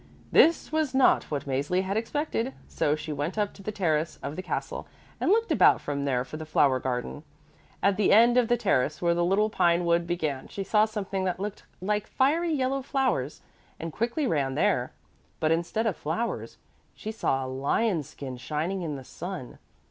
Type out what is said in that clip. This was not what Mäzli had expected, so she went up to the terrace of the castle and looked about from there for the flower garden. At the end of the terrace where the little pine wood began she saw something that looked like fiery yellow flowers and quickly ran there. But instead of flowers she saw a lion skin shining in the sun.